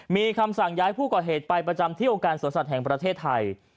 มีคำสั่งย้ายผู้ก่อเหตุไปประจำที่องค์การสวนสัตว์แห่งประเทศไทย